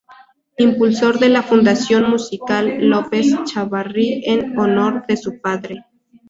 Impulsor de la Fundación Musical López-Chávarri en honor de su padre.